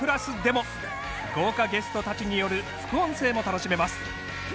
豪華ゲストたちによる副音声も楽しめます。